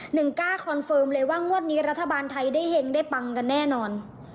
หนึ่งกล้าคอนเฟิร์มเลยว่างวดนี้รัฐบาลไทยได้เห็งได้ปังกันแน่นอน